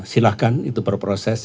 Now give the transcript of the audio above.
silahkan itu berproses